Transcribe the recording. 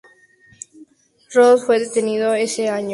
Ross fue detenido ese año por posesión de armas y de marihuana.